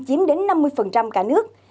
chiếm đến năm mươi cả nước